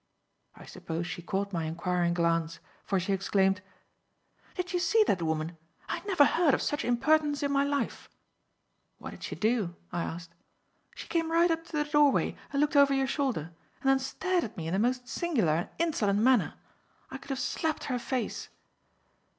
I suppose she caught my enquiring glance for she exclaimed: "Did you see that woman? I never heard of such impertinence in my life." "What did she do?" I asked. "She came right up to the doorway and looked over your shoulder; and then stared at me in the most singular and insolent manner. I could have slapped her face."